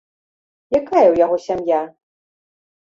Якая ў яго сям'я?